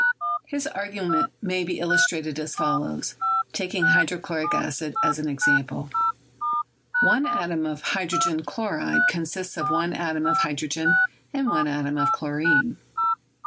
His argument may be illustrated as follows, taking hy drochloric acid as an example : One atom of hydrogen chloride consists of one atom of hydrogen and one atom of chlorine.